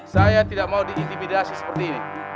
saya tidak mau diintimidasi seperti ini